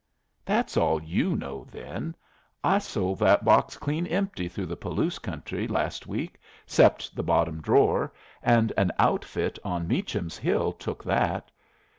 "That's all you know, then. I sold that box clean empty through the Palouse country last week, 'cept the bottom drawer, and an outfit on Meacham's hill took that.